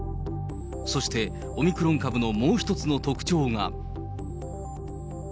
そして、オミクロン株のもう一つの特徴が。